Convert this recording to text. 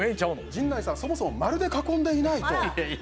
陣内さん、そもそも丸で囲んでいないと。